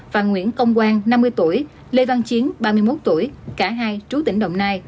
và nguyễn công quang năm mươi tuổi lê văn chiến ba mươi một tuổi cả hai trú tỉnh đồng nai